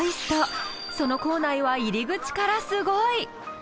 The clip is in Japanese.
その構内は入り口からすごい！